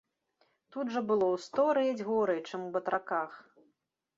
Тут жа было ў сто рэдзь горай, чымся ў батраках.